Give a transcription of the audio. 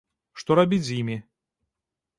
Што рабіць з імі?